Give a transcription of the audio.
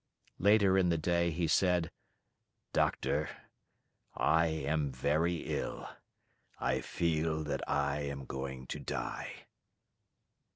Later in the day he said, "Doctor, I am very ill I feel that I am going to die."